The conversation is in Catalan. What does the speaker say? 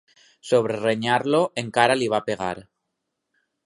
Sobre renyar-lo, encara li va pegar.